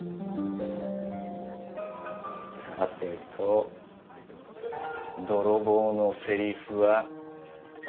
さてと泥棒のセリフは。